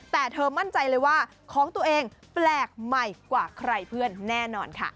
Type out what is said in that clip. แต่เธอมั่นใจเลยว่าของตัวเองแปลกใหม่กว่าใครเพื่อนแน่นอนค่ะ